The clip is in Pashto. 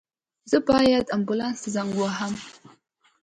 زه باید آنبولاس ته زنګ ووهم